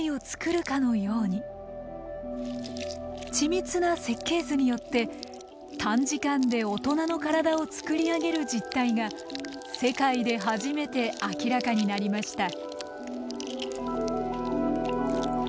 緻密な設計図によって短時間で大人の体を作り上げる実態が世界で初めて明らかになりました。